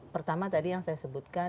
pertama tadi yang saya sebutkan